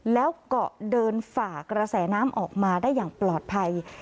แล้วก็เดินฝ่ากระแสน้ำออกมาได้อย่างปลอดภัย